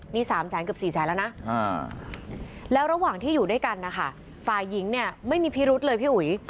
นี่๓แสนเกือบ๔แสนแล้วนะแล้วระหว่างที่อยู่ด้วยกันนะคะฝ่ายหญิงเนี่ยไม่มีพิรุษเลยพี่อุ๋ย